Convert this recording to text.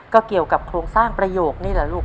ก็เกี่ยวกับโครงสร้างประโยคนี่แหละลูก